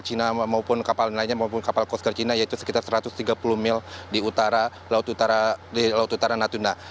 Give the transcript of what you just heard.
kampung kosgar cina maupun kapal lainnya maupun kapal kosgar cina yaitu sekitar satu ratus tiga puluh mil di laut utara natuna